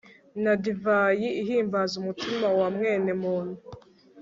na divayi ihimbaza umutima wa mwene muntu